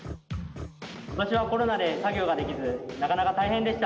今年はコロナで作業ができずなかなか大変でした。